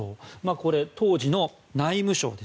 これ、当時の内務省。